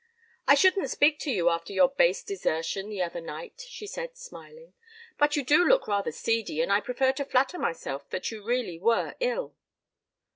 "I shouldn't speak to you after your base desertion the other night," she said, smiling. "But you do look rather seedy and I prefer to flatter myself that you really were ill."